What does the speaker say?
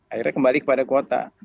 akhirnya kembali kepada kuota